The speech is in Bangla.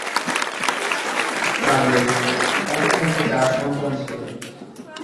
তাঁদের এক সাথে চার সন্তান ছিল।